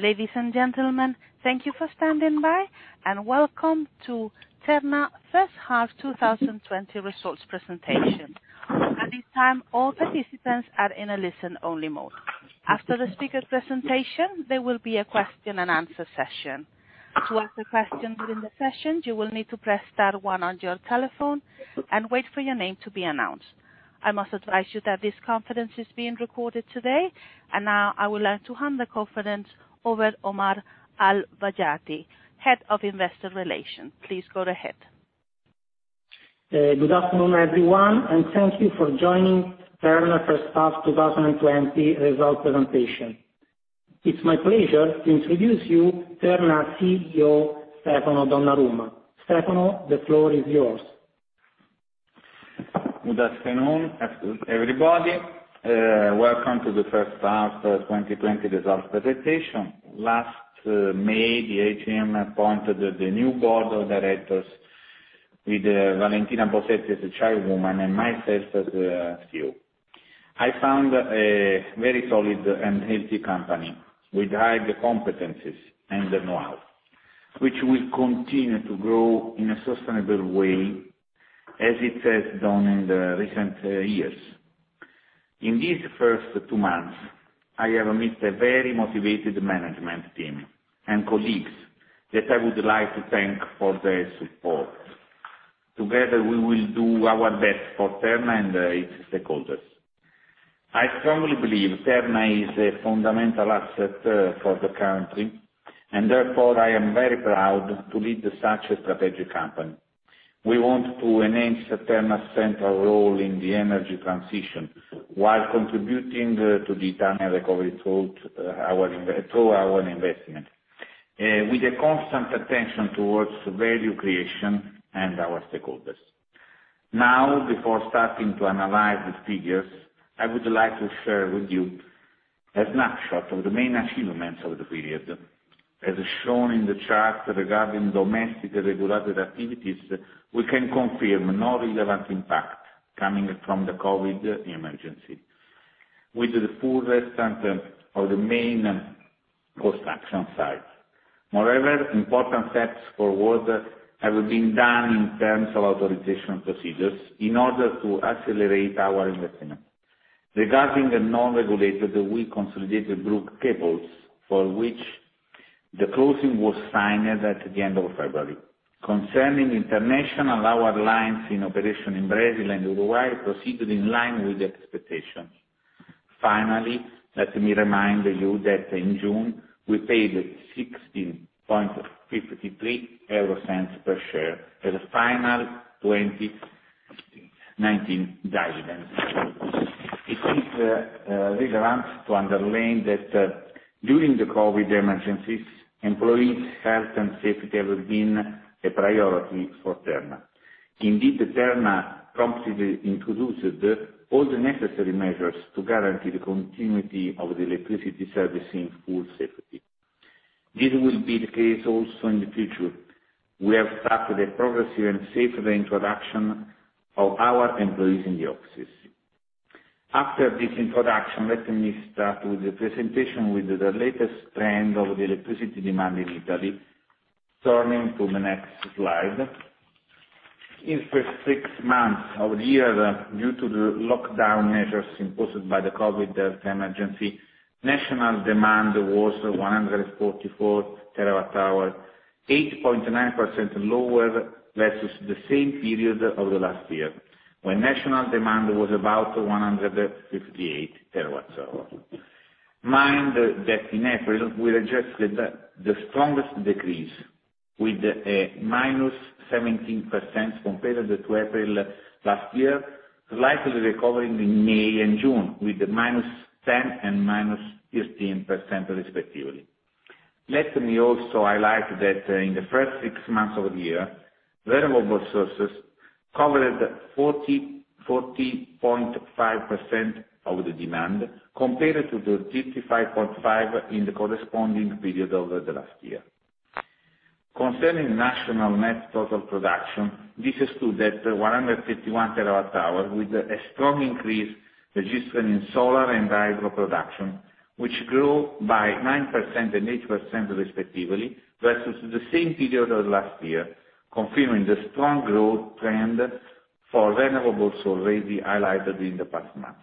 Ladies and gentlemen, thank you for standing by, welcome to Terna First Half 2020 Results Presentation. At this time, all participants are in a listen-only mode. After the speaker presentation, there will be a question and answer session. To ask a question during the session, you will need to press star one on your telephone and wait for your name to be announced. I must advise you that this conference is being recorded today. Now, I would like to hand the conference over Omar Al Bayaty, Head of Investor Relations. Please go ahead. Good afternoon, everyone, and thank you for joining Terna First Half 2020 Results Presentation. It's my pleasure to introduce you Terna CEO, Stefano Donnarumma. Stefano, the floor is yours. Good afternoon, everybody. Welcome to the First Half 2020 Results Presentation. Last May, the AGM appointed the new Board of Directors with Valentina Bosetti as the Chairwoman and myself as the CEO. I found a very solid and healthy company with high competencies and know-how, which will continue to grow in a sustainable way as it has done in the recent years. In these first two months, I have met a very motivated management team and colleagues that I would like to thank for their support. Together, we will do our best for Terna and its stakeholders. I strongly believe Terna is a fundamental asset for the country, therefore, I am very proud to lead such a strategic company. We want to enhance Terna's central role in the energy transition while contributing to the Italian recovery through our investment, with a constant attention towards value creation and our stakeholders. Now, before starting to analyze the figures, I would like to share with you a snapshot of the main achievements of the period. As shown in the chart regarding domestic regulated activities, we can confirm no relevant impact coming from the COVID-19 emergency, with the full restart of the main construction sites. Moreover, important steps forward have been done in terms of authorization procedures in order to accelerate our investment. Regarding the non-regulated, we consolidated Brugg Cables, for which the closing was signed at the end of February. Concerning international, our lines in operation in Brazil and Uruguay proceeded in line with the expectations. Finally, let me remind you that in June, we paid 0.1653 per share as the final 2019 dividend. It is relevant to underline that during the COVID-19 emergencies, employees' health and safety have been a priority for Terna. Indeed, Terna promptly introduced all the necessary measures to guarantee the continuity of the electricity service in full safety. This will be the case also in the future. We have started a progressive and safe reintroduction of our employees in the offices. After this introduction, let me start with the presentation with the latest trend of the electricity demand in Italy. Turning to the next slide. In the first six months of the year, due to the lockdown measures imposed by the COVID-19 health emergency, national demand was 144 TWh, 8.9% lower versus the same period of the last year, when national demand was about 158 TWh. Mind that in April, we registered the strongest decrease with a -17% compared to April last year, slightly recovering in May and June with the -10% and -15% respectively. Let me also highlight that in the first six months of the year, renewable sources covered 40.5% of the demand, compared to the 35.5% in the corresponding period over the last year. Concerning national net total production, this is stood at 151 terawatt hours, with a strong increase registered in solar and hydro production, which grew by 9% and 8% respectively, versus the same period of last year, confirming the strong growth trend for renewables already highlighted in the past months.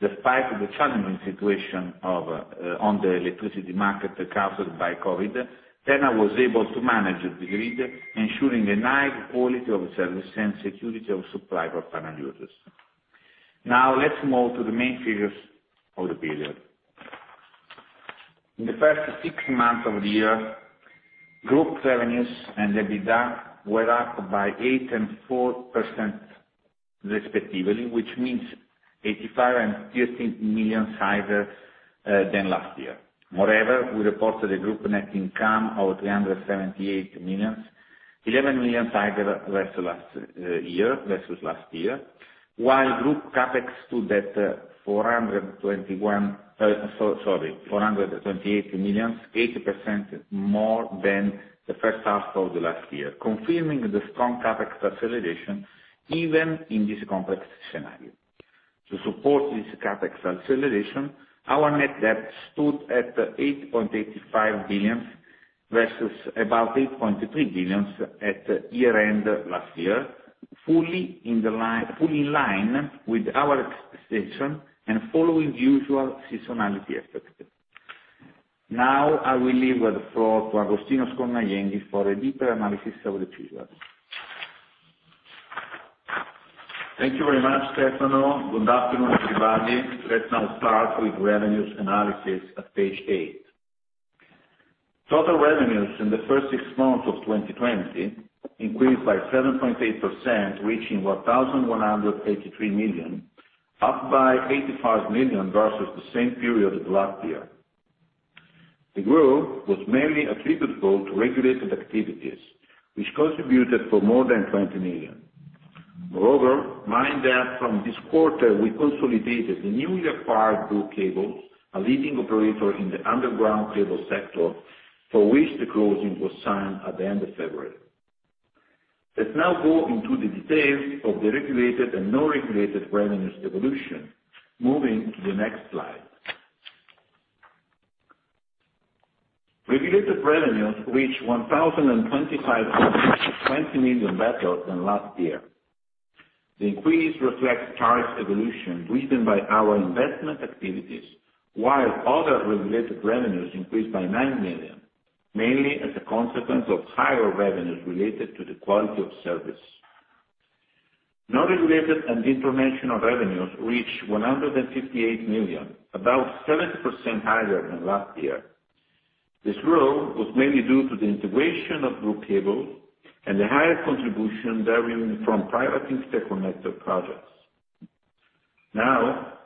Despite the challenging situation on the electricity market caused by COVID-19, Terna was able to manage the grid, ensuring a high quality of service and security of supply for final users. Let's move to the main figures of the period. In the first six months of the year, group revenues and EBITDA were up by 8% and 4% respectively, which means 85 million and 30 million higher than last year. Moreover, we reported a group net income of 378 million, 11 million higher versus last year. While group CapEx stood at 428 million, 8% more than the first half of the last year, confirming the strong CapEx acceleration even in this complex scenario. To support this CapEx acceleration, our net debt stood at 8.85 billion versus about 8.3 billion at year-end last year, fully in line with our expectation and following usual seasonality effect. Now, I will leave the floor to Agostino Scornajenchi for a deeper analysis of the figures. Thank you very much, Stefano. Good afternoon, everybody. Let's now start with revenues analysis at page eight. Total revenues in the first six months of 2020 increased by 7.8%, reaching 1,183 million, up by 85 million versus the same period of last year. The growth was mainly attributable to regulated activities, which contributed for more than 20 million. Moreover, mind that from this quarter we consolidated the newly acquired Brugg Cables, a leading operator in the underground cable sector, for which the closing was signed at the end of February. Let's now go into the details of the regulated and non-regulated revenues evolution. Moving to the next slide. Regulated revenues reached 1,025 million, 20 million better than last year. The increase reflects tariff evolution driven by our investment activities, while other regulated revenues increased by 9 million, mainly as a consequence of higher revenues related to the quality of service. Non-regulated and international revenues reached 158 million, about 7% higher than last year. This growth was mainly due to the integration of Brugg Cables and the higher contribution deriving from private interconnector projects.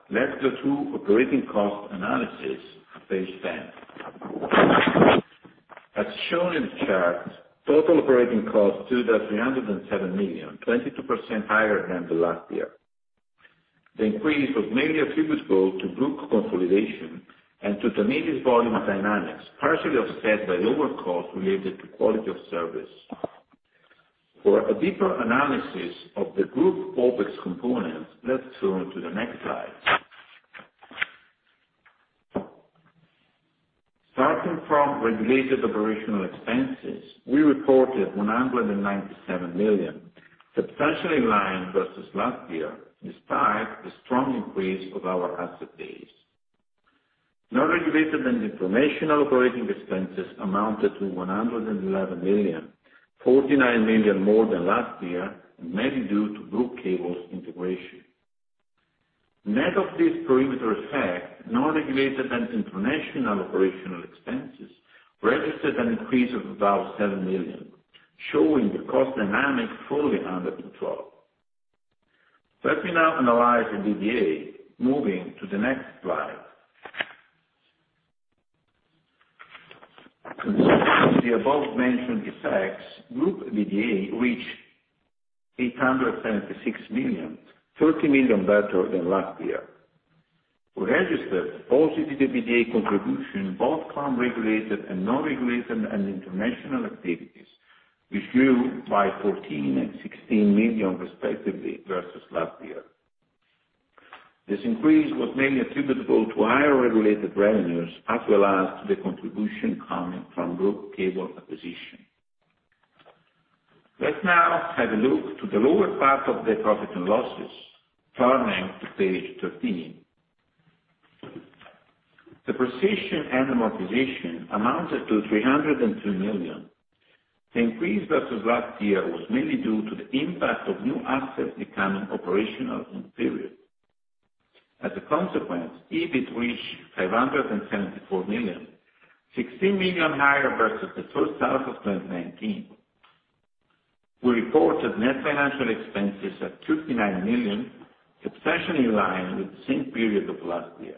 Let's go to operating cost analysis at page 10. As shown in the chart, total operating costs stood at 307 million, 22% higher than the last year. The increase was mainly attributable to group consolidation and to Terna's volume dynamics, partially offset by lower costs related to quality of service. For a deeper analysis of the group OpEx components, let's turn to the next slide. Starting from regulated operational expenses, we reported 197 million, substantially in line versus last year, despite the strong increase of our asset base. Non-regulated and international operating expenses amounted to 111 million, 49 million more than last year, mainly due to Brugg Cables' integration. Net of this perimeter effect, non-regulated and international operational expenses registered an increase of about 7 million, showing the cost dynamic fully under control. Let me now analyze the EBITDA, moving to the next slide. Considering the above-mentioned effects, group EBITDA reached 876 million, 30 million better than last year. We registered positive EBITDA contribution in both core regulated and non-regulated and international activities, which grew by 14 million and 16 million respectively versus last year. This increase was mainly attributable to higher regulated revenues, as well as to the contribution coming from Brugg Cables acquisition. Let's now have a look to the lower part of the profit and losses, turning to page 13. Depreciation and amortization amounted to 302 million. The increase versus last year was mainly due to the impact of new assets becoming operational in the period. EBIT reached 574 million, 16 million higher versus the first half of 2019. We reported net financial expenses at 29 million, substantially in line with the same period of last year.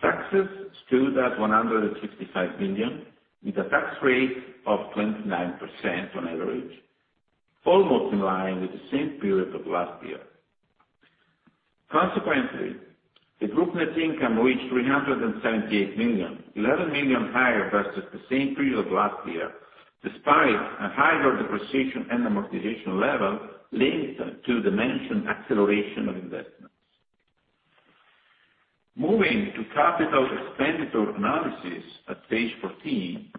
Taxes stood at 165 million, with a tax rate of 29% on average, almost in line with the same period of last year. The group net income reached 378 million, 11 million higher versus the same period of last year, despite a higher depreciation and amortization level linked to the mentioned acceleration of investments. Moving to capital expenditure analysis at page 14.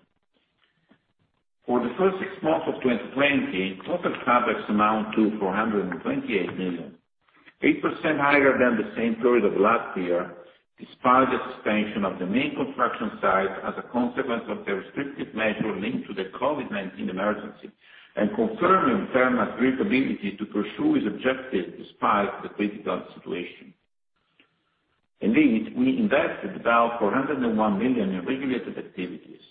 For the first six months of 2020, total CapEx amount to 428 million, 8% higher than the same period of last year, despite the suspension of the main construction sites as a consequence of the restrictive measures linked to the COVID-19 emergency, confirming Terna's great ability to pursue its objectives despite the critical situation. Indeed, we invested about 401 million in regulated activities.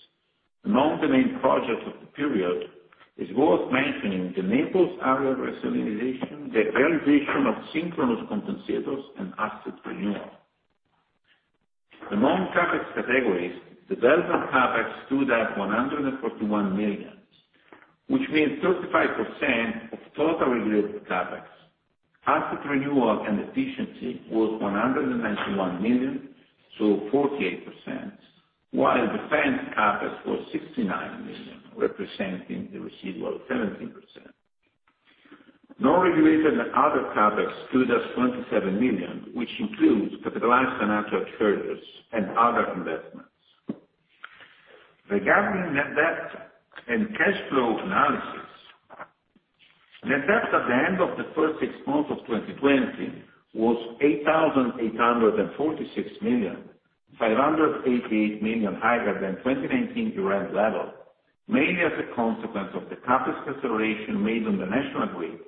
Among the main projects of the period, is worth mentioning the Naples aerial reconductoring, the realization of synchronous compensators, and asset renewal. Among CapEx categories, development CapEx stood at 141 million, which means 35% of total regulated CapEx. Asset renewal and efficiency was 191 million, so 48%, while defense CapEx was 69 million, representing the residual 17%. Non-regulated other CapEx stood at 27 million, which includes capitalized financial charges and other investments. Regarding net debt and cash flow analysis, net debt at the end of the first six months of 2020 was 8,846 million, 588 million higher than 2019 year-end level, mainly as a consequence of the CapEx acceleration made on the national grid,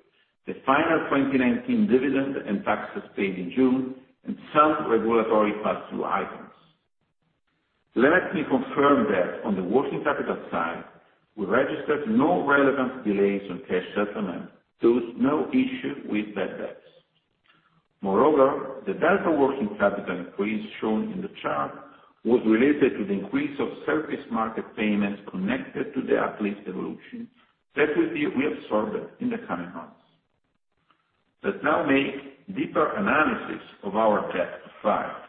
the final 2019 dividend and taxes paid in June, and some regulatory pass-through items. Let me confirm that on the working capital side, we registered no relevant delays on cash settlement, thus no issue with bad debts. Moreover, the delta working capital increase shown in the chart was related to the increase of service market payments connected to the tariff evolution that will be reabsorbed in the coming months. Let's now make deeper analysis of our debt profile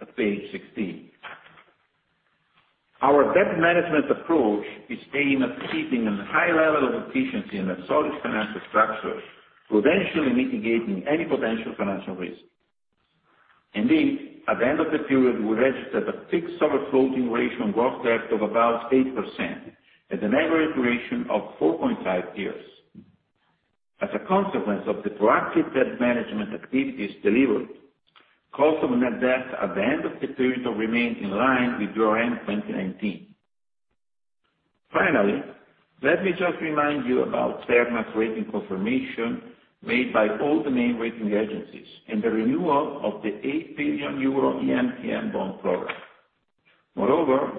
at page 16. Our debt management approach is aimed at keeping a high level of efficiency and a solid financial structure, prudentially mitigating any potential financial risk. Indeed, at the end of the period, we registered a fixed over floating ratio on gross debt of about 8% at an average duration of 4.5 years. As a consequence of the proactive debt management activities delivered, cost of net debt at the end of the period remained in line with year-end 2019. Finally, let me just remind you about Terna's rating confirmation made by all the main rating agencies and the renewal of the 8 billion euro EMTN bond program.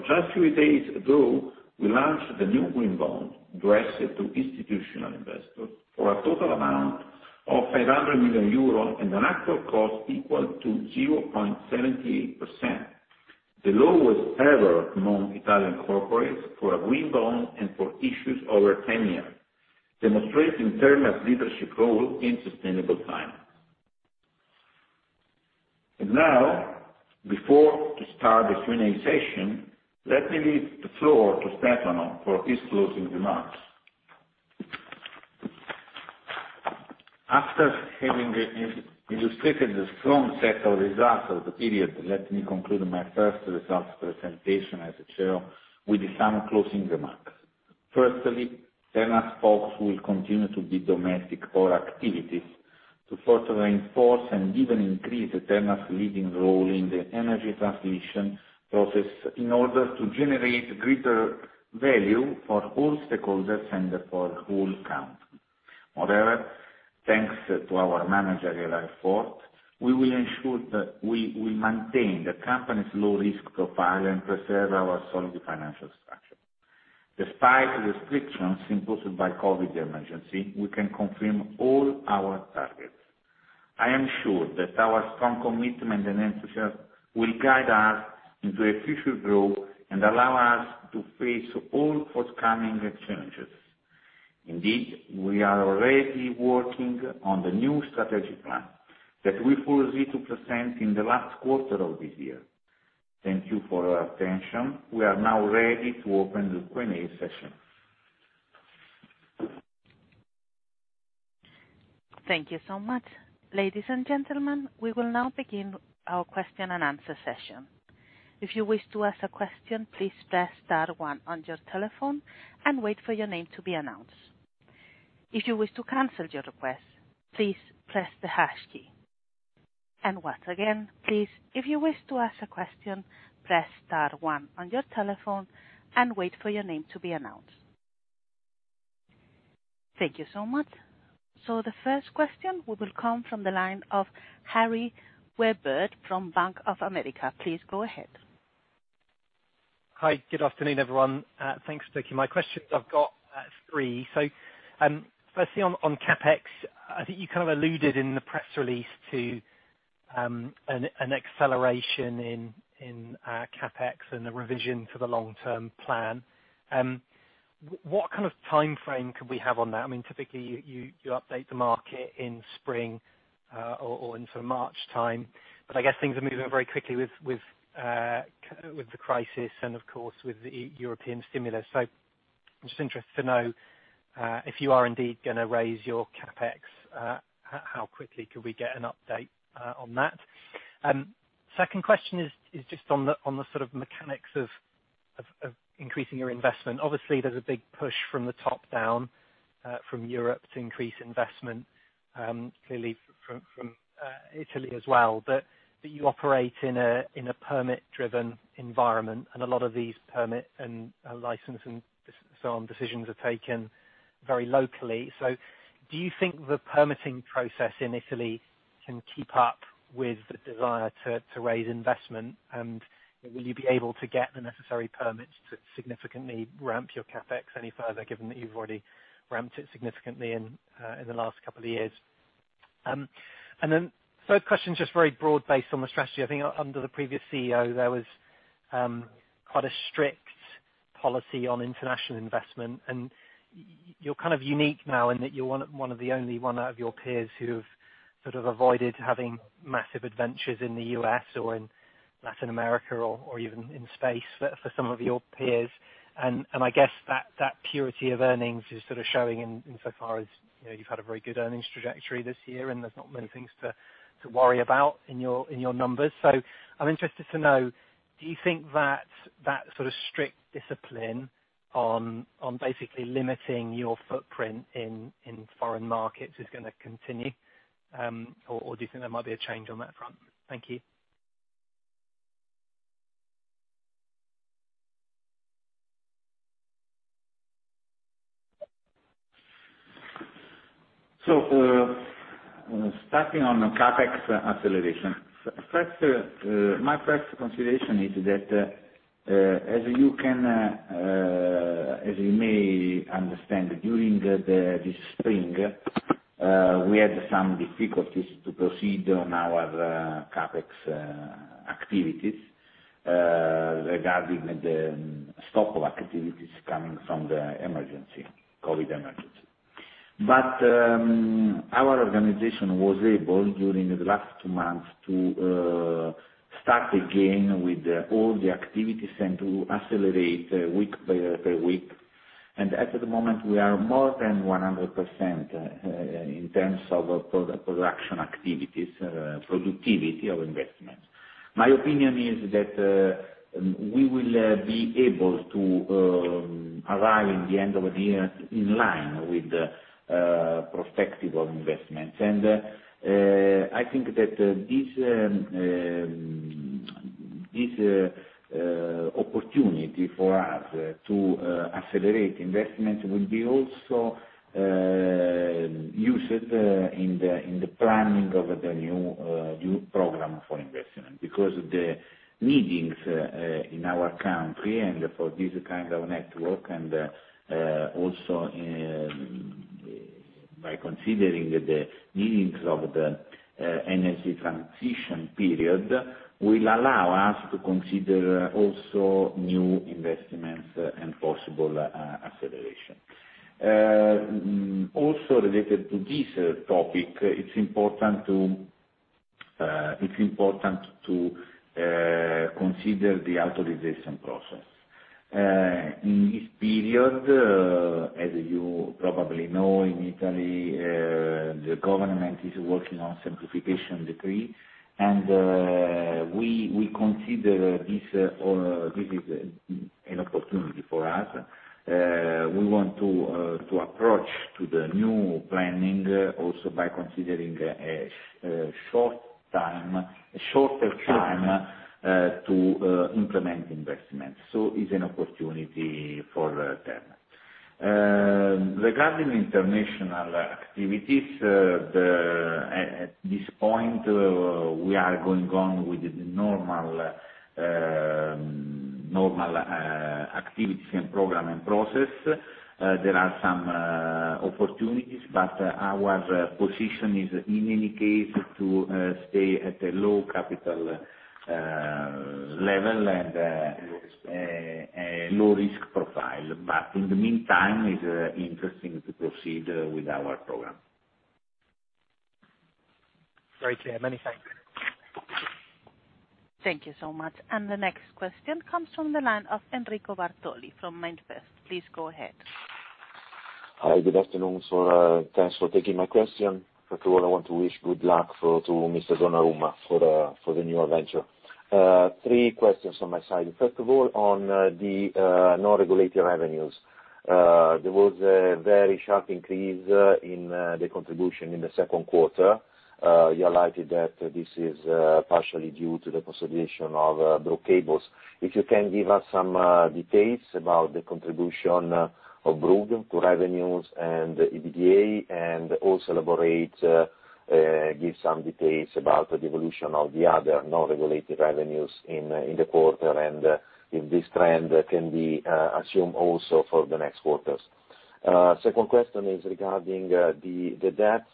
Just a few days ago, we launched the new green bond addressed to institutional investors for a total amount of 500 million euros and an actual cost equal to 0.78%, the lowest ever among Italian corporates for a green bond and for issues over 10 years, demonstrating Terna's leadership role in sustainable finance. Now, before to start the Q&A session, let me leave the floor to Stefano for his closing remarks. After having illustrated the strong set of results of the period, let me conclude my first results presentation as a chair with some closing remarks. Firstly, Terna's focus will continue to be domestic core activities to further reinforce and even increase Terna's leading role in the energy transition process in order to generate greater value for all stakeholders and for whole country. Thanks to our managerial effort, we will ensure that we maintain the company's low risk profile and preserve our solid financial structure. Despite restrictions imposed by COVID-19 emergency, we can confirm all our targets. I am sure that our strong commitment and enthusiasm will guide us into a future growth and allow us to face all forthcoming challenges. Indeed, we are already working on the new strategic plan that we foresee to present in the last quarter of this year. Thank you for your attention. We are now ready to open the Q&A session. Thank you so much. Ladies and gentlemen, we will now begin our question and answer session. If you wish to ask a question, please press star one on your telephone and wait for your name to be announced. If you wish to cancel your request, please press the hash key. Once again, please, if you wish to ask a question, press star one on your telephone and wait for your name to be announced. Thank you so much. The first question will come from the line of Harry Wyburd from Bank of America. Please go ahead. Hi. Good afternoon, everyone. Thanks for taking my questions. I've got three. Firstly on CapEx, I think you kind of alluded in the press release to an acceleration in CapEx and the revision for the long-term plan. What kind of timeframe could we have on that? Typically, you update the market in spring or in sort of March time, but I guess things are moving very quickly with the crisis and of course, with the European stimulus. Just interested to know, if you are indeed going to raise your CapEx, how quickly could we get an update on that? Second question is just on the sort of mechanics of increasing your investment. Obviously, there's a big push from the top down, from Europe to increase investment, clearly from Italy as well. You operate in a permit-driven environment and a lot of these permit and license and so on, decisions are taken very locally. Do you think the permitting process in Italy can keep up with the desire to raise investment? Will you be able to get the necessary permits to significantly ramp your CapEx any further, given that you've already ramped it significantly in the last couple of years? Third question, just very broad based on the strategy. I think under the previous CEO, there was quite a strict policy on international investment, and you're kind of unique now in that you're one of the only one out of your peers who've sort of avoided having massive adventures in the U.S. or in Latin America or even in space for some of your peers. I guess that purity of earnings is sort of showing in so far as, you've had a very good earnings trajectory this year, and there's not many things to worry about in your numbers. I'm interested to know, do you think that sort of strict discipline on basically limiting your footprint in foreign markets is going to continue? Do you think there might be a change on that front? Thank you. Starting on the CapEx acceleration. My first consideration is that, as you may understand, during this spring, we had some difficulties to proceed on our CapEx activities, regarding the stock activities coming from the emergency, COVID-19 emergency. Our organization was able, during the last month, to start again with all the activities and to accelerate week by week. As of the moment, we are more than 100% in terms of production activities, productivity of investments. My opinion is that, we will be able to arrive in the end of the year in line with the prospective of investments. I think that this opportunity for us to accelerate investments will be also used in the planning of the new program for investment. Because the needs in our country and for this kind of network and, also, by considering the needs of the energy transition period, will allow us to consider also new investments and possible acceleration. Also related to this topic, it's important to consider the authorization process. In this period, as you probably know, in Italy, the government is working on simplification decree, and we consider this is an opportunity for us. We want to approach to the new planning also by considering a shorter time to implement investments. It's an opportunity for Terna. Regarding international activities, at this point, we are going on with the normal activities and program and process. There are some opportunities, but our position is in any case, to stay at a low capital level. Low risk. low risk profile. In the meantime, it's interesting to proceed with our program. Very clear. Many thanks. Thank you so much. The next question comes from the line of Enrico Bartoli from MainFirst. Please go ahead. Hi. Good afternoon, sir. Thanks for taking my question. First of all, I want to wish good luck to Mr. Donnarumma for the new adventure. three questions on my side. First of all, on the non-regulated revenues. There was a very sharp increase in the contribution in the second quarter. You highlighted that this is partially due to the consolidation of Brugg Kabel. If you can give us some details about the contribution of Brugg to revenues and EBITDA and also elaborate, give some details about the evolution of the other non-regulated revenues in the quarter and if this trend can be assumed also for the next quarters. Second question is regarding the debt.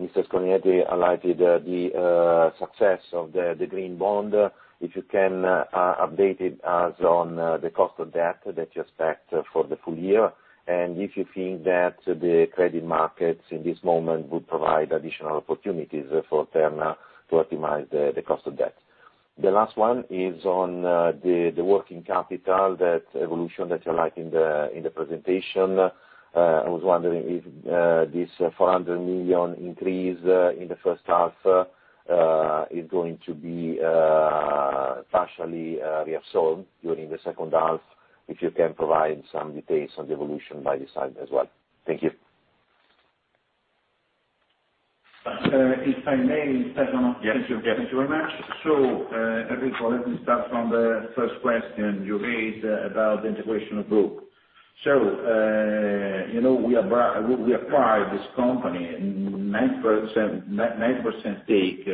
Mr. Scornajenchi highlighted the success of the green bond. If you can update us on the cost of debt that you expect for the full year, and if you think that the credit markets in this moment would provide additional opportunities for Terna to optimize the cost of debt. The last one is on the working capital, that evolution that you highlight in the presentation. I was wondering if this 400 million increase in the first half is going to be partially reabsorbed during the second half. If you can provide some details on the evolution by this side as well. Thank you. If I may step in. Yes. Thank you very much. Enrico, let me start from the first question you made about the integration of Brugg. We acquired this company, 90% stake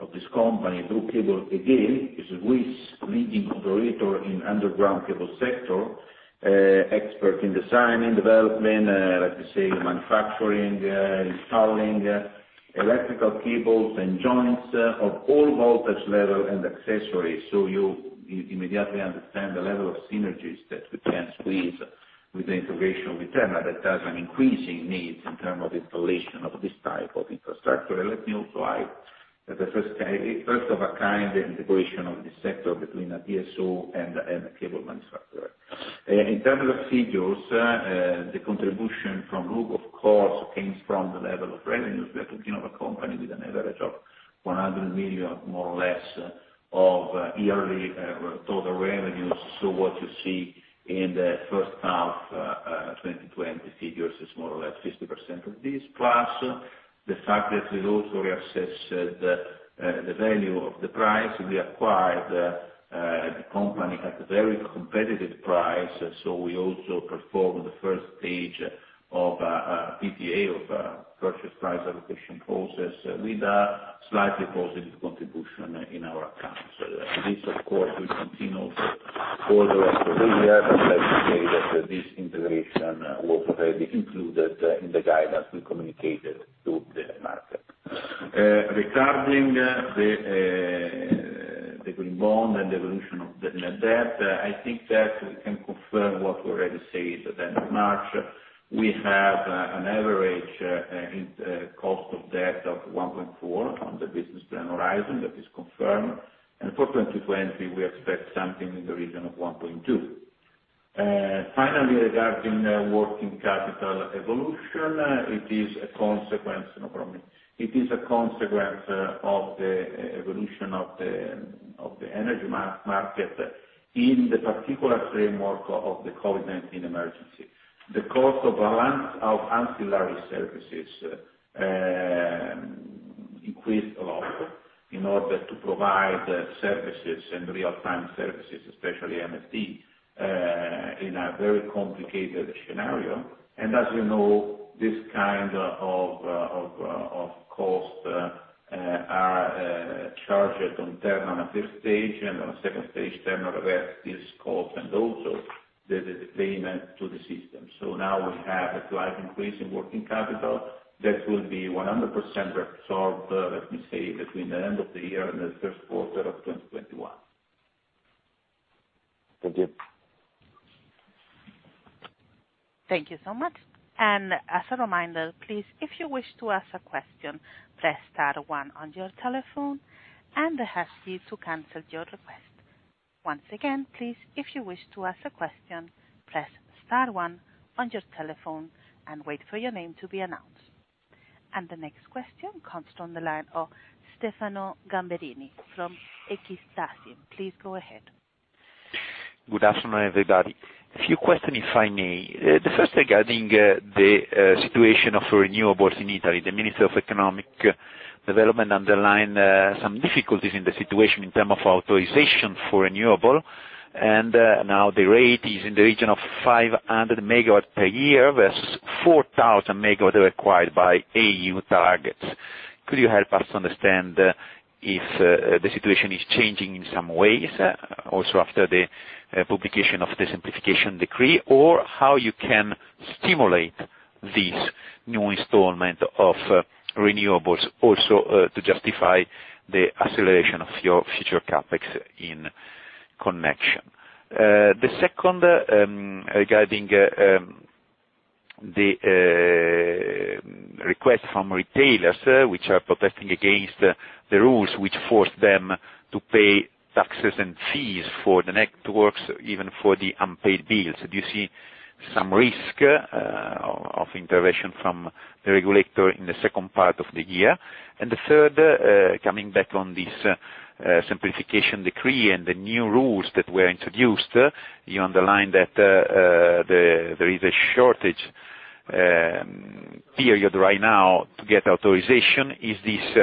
of this company, Brugg Kabel. Again, it's a Swiss leading operator in underground cable sector, expert in design and development, let me say, manufacturing, installing. Electrical cables and joints of all voltage level and accessories. You immediately understand the level of synergies that we can squeeze with the integration with Terna, that has an increasing need in term of installation of this type of infrastructure. Let me also highlight, the first of a kind, the integration of this sector between a TSO and a cable manufacturer. In terms of figures, the contribution from Brugg, of course, comes from the level of revenues. We are talking of a company with an average of 100 million, more or less, of yearly total revenues. What you see in the first half 2020 figures is more or less 50% of this. Plus, the fact that we also reassess the value of the price, we acquired the company at a very competitive price, so we also performed the first stage of PPA, of purchase price allocation process, with a slightly positive contribution in our accounts. This of course will continue for the rest of the year, let me say that this integration was already included in the guidance we communicated to the market. Regarding the green bond and the evolution of the net debt, I think that we can confirm what we already said at the end of March. We have an average cost of debt of 1.4% on the business plan horizon. That is confirmed. For 2020, we expect something in the region of 1.2%. Finally, regarding working capital evolution, it is a consequence of the evolution of the energy market in the particular framework of the COVID-19 emergency. The cost of ancillary services increased a lot in order to provide services and real-time services, especially MSD, in a very complicated scenario. As you know, this kind of cost are charged on Terna on a first stage, and on a second stage, Terna invests this cost and also the payment to the system. Now we have a slight increase in working capital that will be 100% resolved, let me say, between the end of the year and the first quarter of 2021. Thank you. Thank you so much. As a reminder, please, if you wish to ask a question, press star one on your telephone and the hash key to cancel your request. Once again, please, if you wish to ask a question, press star one on your telephone and wait for your name to be announced. The next question comes from the line of Stefano Gamberini from Equita SIM. Please go ahead. Good afternoon, everybody. A few questions, if I may. Regarding the situation of renewables in Italy. The Minister of Economic Development underlined some difficulties in the situation in terms of authorization for renewables. Now the rate is in the region of 500 MW per year versus 4,000 MW required by EU targets. Could you help us understand if the situation is changing in some ways, also after the publication of the simplification decree, or how you can stimulate this new installment of renewables, also to justify the acceleration of your future CapEx in connection? Regarding the request from retailers, which are protesting against the rules which force them to pay taxes and fees for the networks, even for the unpaid bills. Do you see some risk of intervention from the regulator in the second part of the year? The third, coming back on this simplification decree and the new rules that were introduced, you underlined that there is a shortage period right now to get authorization. Is this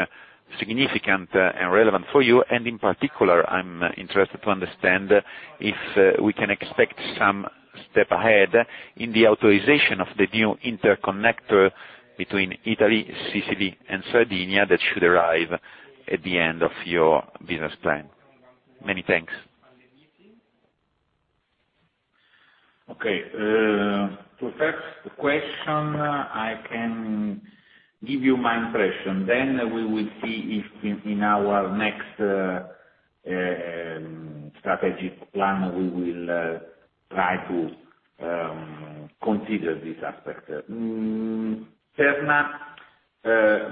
significant and relevant for you? In particular, I'm interested to understand if we can expect some step ahead in the authorization of the new interconnector between Italy, Sicily and Sardinia that should arrive at the end of your business plan. Many thanks. To the first question, I can give you my impression, we will see if in our next strategic plan, we will try to consider this aspect. Terna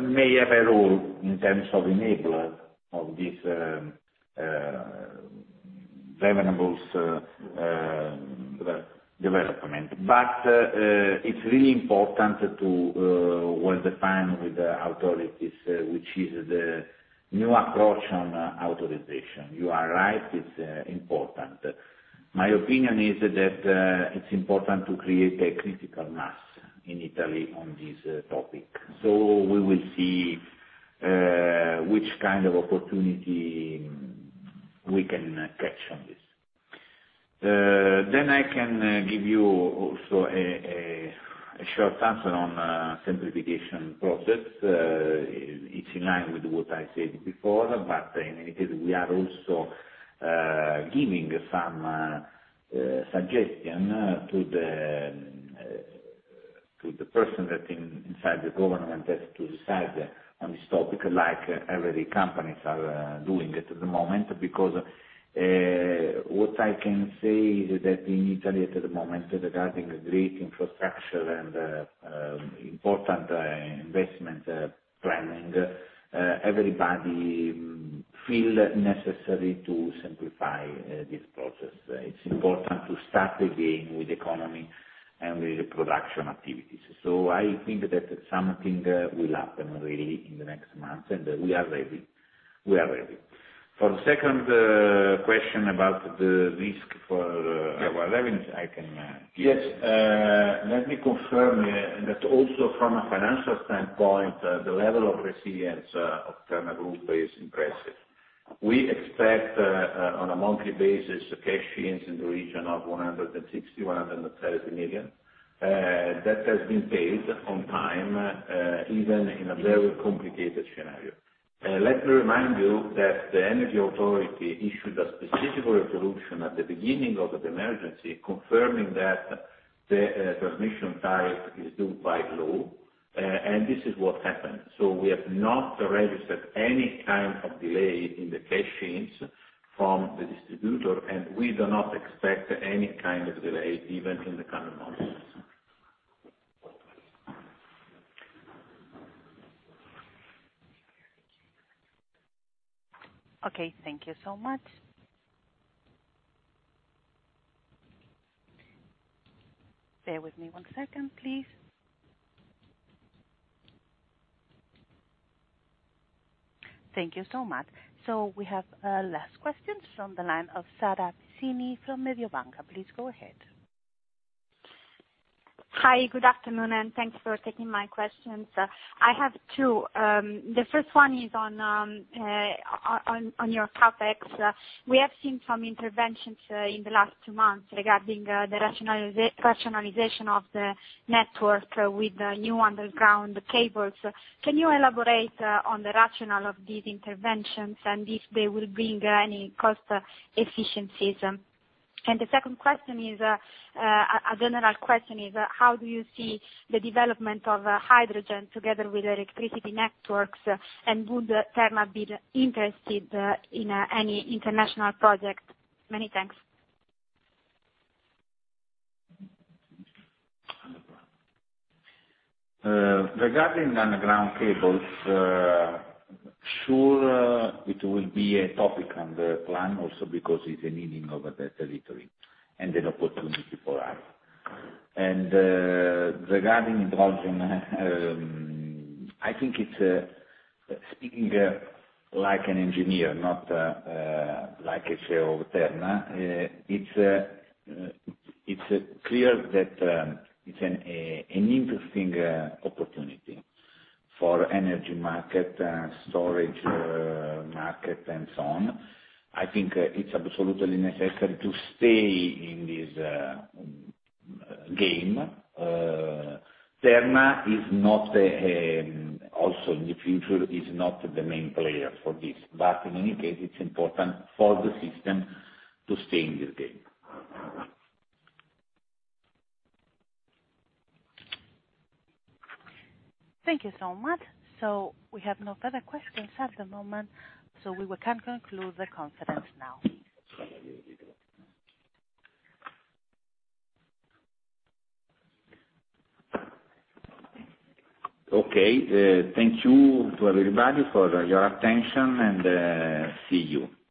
may have a role in terms of enabler of this renewables development. It's really important to well define with the authorities, which is the new approach on authorization. You are right, it's important. My opinion is that it's important to create a critical mass in Italy on this topic. We will see which kind of opportunity we can catch on this. I can give you also a short answer on simplification process. It's in line with what I said before, in any case, we are also giving some suggestion to the person that inside the government has to decide on this topic, like every company are doing it at the moment. What I can say is that in Italy at the moment, regarding great infrastructure and important investment planning, everybody feel necessary to simplify this process. It's important to start again with economy and with production activities. I think that something will happen really in the next months, and we are ready. For the second question about the risk for our earnings, I can Yes. Let me confirm that also from a financial standpoint, the level of resilience of Terna Group is impressive. We expect, on a monthly basis, cash ins in the region of 160 million, 130 million. That has been paid on time, even in a very complicated scenario. Let me remind you that the energy authority issued a specific resolution at the beginning of the emergency, confirming that the transmission tariff is due by law. This is what happened. We have not registered any kind of delay in the cash ins from the distributor, and we do not expect any kind of delay, even in the coming months. Okay. Thank you so much. Bear with me one second, please. Thank you so much. We have a last question from the line of Sara Piccinini from Mediobanca. Please go ahead. Hi. Good afternoon, thanks for taking my questions. I have two. The first one is on your CapEx. We have seen some interventions in the last two months regarding the rationalization of the network with new underground cables. Can you elaborate on the rationale of these interventions and if they will bring any cost efficiencies? The second question is a general question, is, how do you see the development of hydrogen together with electricity networks, and would Terna be interested in any international project? Many thanks. Regarding underground cables, sure it will be a topic on the plan also because it's a need of the territory and an opportunity for us. Regarding hydrogen, I think, speaking like an engineer, not like a CEO of Terna, it's clear that it's an interesting opportunity for energy market, storage market and so on. I think it's absolutely necessary to stay in this game. Terna, also in the future, is not the main player for this. In any case, it's important for the system to stay in the game. Thank you so much. We have no further questions at the moment, so we will conclude the conference now. Okay. Thank you to everybody for your attention, and see you. Bye